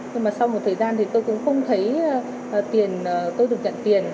nhưng mà sau một thời gian thì tôi cũng không thấy tiền tôi được nhận tiền